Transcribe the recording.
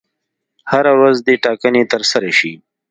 هره ورځ دي ټاکنې ترسره شي.